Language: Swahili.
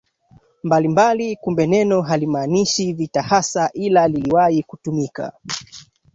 mbalimbali Kumbe neno halimaanishi vita hasa ila liliwahi kutumika